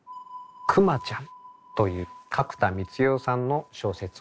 「くまちゃん」という角田光代さんの小説をお持ちしました。